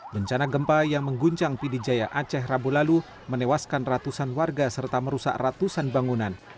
bencana gempa yang mengguncang pidijaya aceh rabu lalu menewaskan ratusan warga serta merusak ratusan bangunan